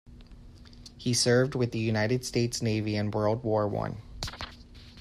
He served with the United States Navy in World War One.